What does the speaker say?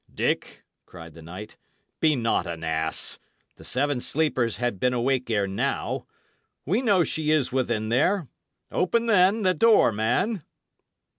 "Dick," cried the knight, "be not an ass. The Seven Sleepers had been awake ere now. We know she is within there. Open, then, the door, man."